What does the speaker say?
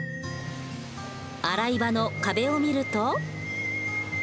洗い場の壁を見ると。